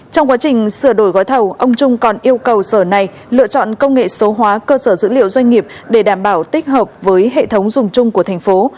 trong quá trình sửa đổi gói thầu ông trung còn yêu cầu sở này lựa chọn công nghệ số hóa cơ sở dữ liệu doanh nghiệp để đảm bảo tích hợp với hệ thống dùng chung của thành phố